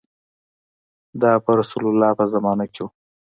دا په رسول الله په زمانه کې و.